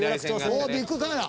おおビックカメラ！